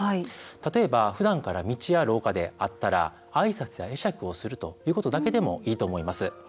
例えば、ふだんから道や廊下で会ったらあいさつや会釈をするということだけでもいいと思います。